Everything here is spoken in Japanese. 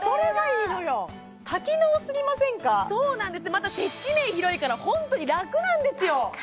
また接地面広いからホントに楽なんですよ